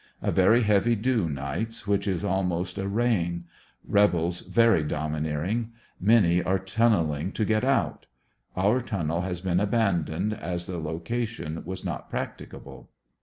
A very heavy dew nights, which is almost a rain Rebels very domineering. Many are tunneling to get out. Our tunnel has been abandoned, as the location was not practicable.